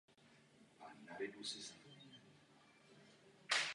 Pak však přišla arabská revoluce.